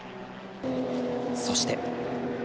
そして。